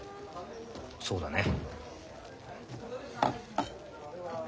そうだね。